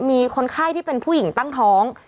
มีคนไข้ที่เป็นผู้หญิงตั้งท้อง